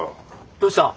どうした？